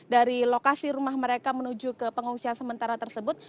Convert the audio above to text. dari lokasi rumah mereka menuju ke pengungsian sementara tersebut